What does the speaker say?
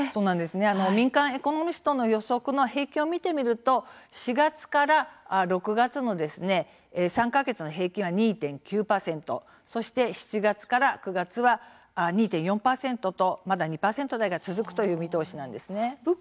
民間のエコノミストの予測の平均を見てみると４月から６月の３か月の平均は２．９％７月から９月は２．４％と２％台が続くという見通しです。